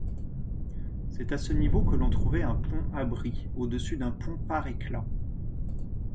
C'est à ce niveau que l'on trouvait un pont-abri au-dessus d'un pont pare-éclats.